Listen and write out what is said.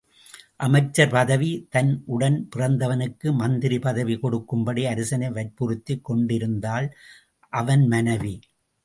அமைச்சர் பதவி தன் உடன் பிறந்தவனுக்கு மந்திரி பதவி கொடுக்கும் படி அரசனை வற்புறுத்திக் கொண்டிருந்தாள் அவன் மனைவி.